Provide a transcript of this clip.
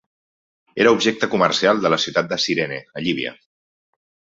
Era objecte comercial de la ciutat de Cirene a Líbia.